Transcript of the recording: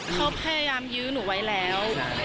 เขาพยายามยื้อหนูไว้แล้ว